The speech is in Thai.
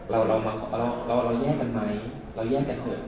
เราแยกกันไหมเราแยกกันเถอะ